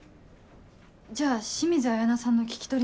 じゃあ清水彩菜さんの聞き取りは。